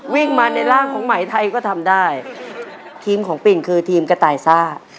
วิ่งมาในร่างของไหมไทยก็ทำได้ทีมของปิ่งคือทีมกระต่ายซ่า